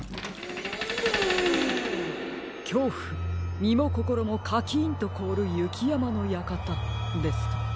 「きょうふみもこころもカキンとこおるゆきやまのやかた」ですか。